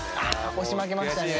押し負けましたね。